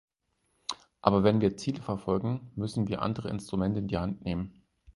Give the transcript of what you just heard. Aber wenn wir Ziele verfolgen, müssen wir andere Instrumente in die Hand nehmen.